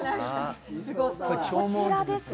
こちらです。